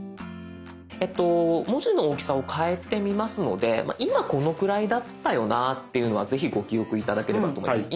文字の大きさを変えてみますので今このくらいだったよなっていうのはぜひご記憶頂ければと思います。